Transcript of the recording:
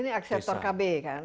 ini aseptor kb kan